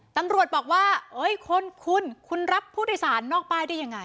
ตำรวจบอกว่าคุณคุณรับผู้โดยสารนอกป้ายได้ยังไง